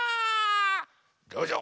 どうぞ。